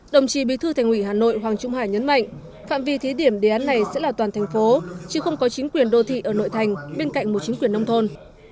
đồng chí bí thư thành ủy hà nội hoàng trung hải nhấn mạnh phạm vi thí điểm đề án này sẽ là toàn thành phố chứ không có chính quyền đô thị ở nội thành bên cạnh một chính quyền nông thôn